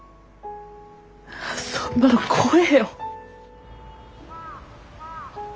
そんなの怖えよ。